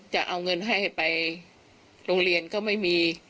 จะเอาเงินให้ไปโรงเรียนก็ไม่มี